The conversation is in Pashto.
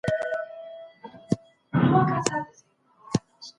ولې پوهه د انسان په ژوند کي بريا راولي؟